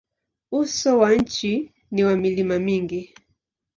Uso wa nchi ni wa milima mingi.